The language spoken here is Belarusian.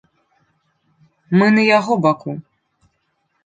Мы на яго баку.